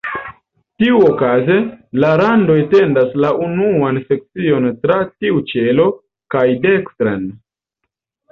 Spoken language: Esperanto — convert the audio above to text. Tiuokaze, la rando etendas la unuan sekcion tra tiu ĉelo kaj dekstren.